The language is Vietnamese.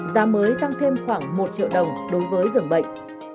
giá mới tăng thêm khoảng một triệu đồng đối với dường bệnh